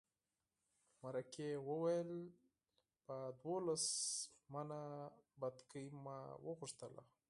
مرکې وویل په دولس منه بتکۍ مو وغوښتله.